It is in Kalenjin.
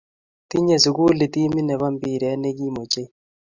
Tinye sukulit timit ne bo mpiret ne kim ochei